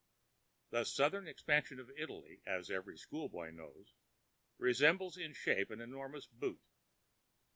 The southern extension of Italy, as every schoolboy knows, resembles in shape an enormous boot.